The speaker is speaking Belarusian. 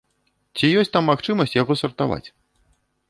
Ці ёсць там магчымасць яго сартаваць?